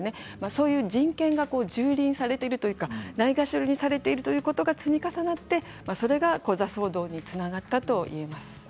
そういう人権がじゅうりんされているというかないがしろにされているということが積み重なってコザ騒動につながったと思います。